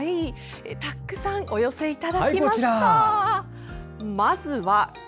たくさんお寄せいただきました。